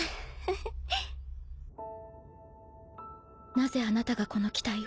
なぜあなたがこの機体を？